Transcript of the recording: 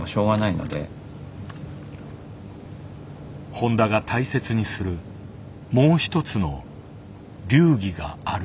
誉田が大切にするもう一つの流儀がある。